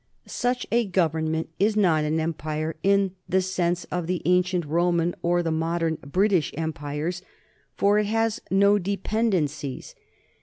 Such a government is not an empire in the sense of the ancient Roman or the modern British empires, for it has no dependencies.